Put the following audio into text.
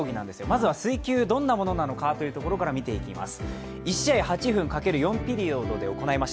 まずは水球、どんなものなのかというところから見ていきます。